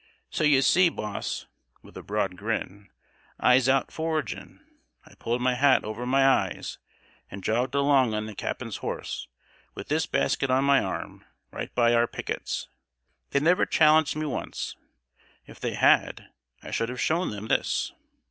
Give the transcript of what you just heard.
So you see, boss" (with a broad grin), "I'se out foraging. I pulled my hat over my eyes, and jogged along on the cap'n's horse, with this basket on my arm, right by our pickets. They never challenged me once. If they had I should have shown them this."